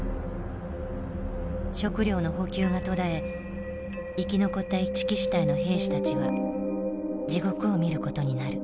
食料の補給が途絶え生き残った一木支隊の兵士たちは地獄を見ることになる。